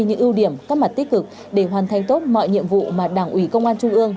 những ưu điểm các mặt tích cực để hoàn thành tốt mọi nhiệm vụ mà đảng ủy công an trung ương